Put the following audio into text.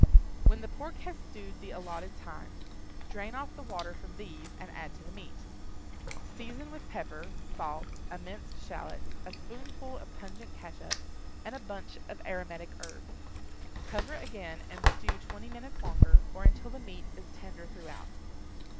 When the pork has stewed the allotted time, drain off the water from these and add to the meat. Season with pepper, salt, a minced shallot, a spoonful of pungent catsup, and a bunch of aromatic herbs. Cover again, and stew twenty minutes longer, or until the meat is tender throughout.